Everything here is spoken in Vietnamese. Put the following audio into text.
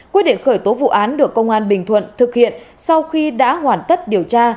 quyết định khởi tố vụ án được công an bình thuận thực hiện sau khi đã hoàn tất điều tra